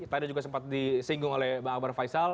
tadi juga sempat disinggung oleh pak abar faisal